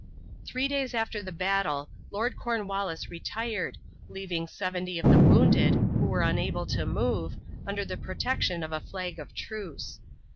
Three days after the battle Lord Cornwallis retired, leaving 70 of the wounded, who were unable to move, under the protection of a flag of truce.